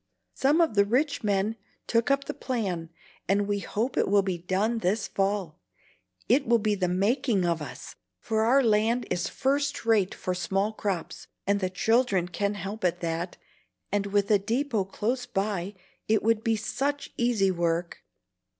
Some of the rich men took up the plan, and we hope it will be done this fall. It will be the making of us, for our land is first rate for small crops, and the children can help at that, and with a deepot close by it would be such easy work.